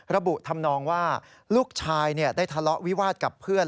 ระบุทำนองว่าลูกชายได้ทะเลาะวิวาสกับเพื่อน